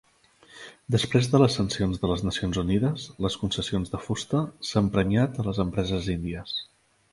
Després de les sancions de les Nacions Unides, les concessions de fusta s'han premiat a les empreses índies.